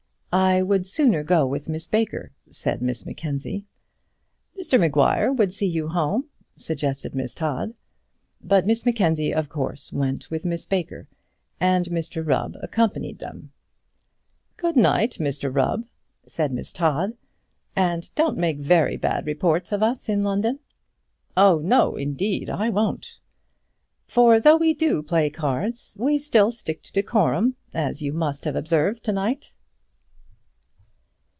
"I would sooner go with Miss Baker," said Miss Mackenzie. "Mr Maguire would see you home," suggested Miss Todd. But Miss Mackenzie of course went with Miss Baker, and Mr Rubb accompanied them. "Good night, Mr Rubb," said Miss Todd; "and don't make very bad reports of us in London." "Oh! no; indeed I won't." "For though we do play cards, we still stick to decorum, as you must have observed to night."